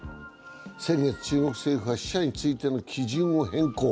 先月、中国政府は死者についての基準を変更。